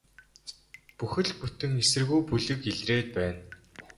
Бүхэл бүтэн эсэргүү бүлэг илрээд байна.